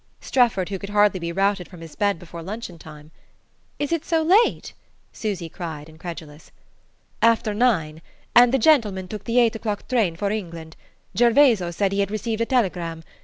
Strefford, who could hardly be routed from his bed before luncheon time! "Is it so late?" Susy cried, incredulous. "After nine. And the gentleman took the eight o'clock train for England. Gervaso said he had received a telegram.